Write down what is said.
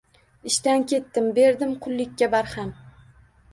Ishdan ketdim. Berdim qullikka barham